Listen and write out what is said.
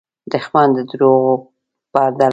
دښمن د دروغو پرده لري